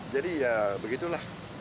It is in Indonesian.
jadi ya begitulah